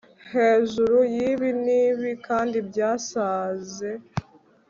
Hejuru yibi nibi kandi byasaze